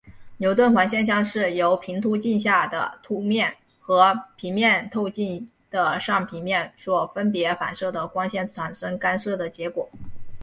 牛顿环现象是由平凸透镜下凸面和平面透镜的上平面所分别反射的光线产生干涉的结果。